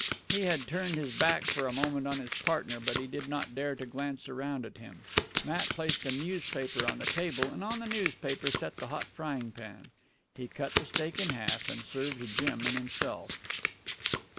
He had turned his back for the moment on his partner, but he did not dare to glance around at him. Matt placed a newspaper on the table, and on the newspaper set the hot frying pan. He cut the steak in half, and served Jim and himself.